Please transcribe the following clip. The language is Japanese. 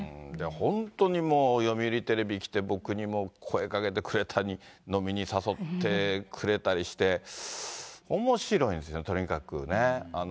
本当にもう読売テレビ来て、僕にも声かけてくれたり、飲みに誘ってくれたりして、おもしろいんですよね、とにかくね。